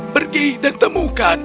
pergi dan temukan